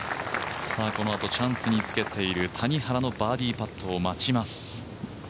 このあとチャンスにつけている谷原のバーディーパットを待ちます。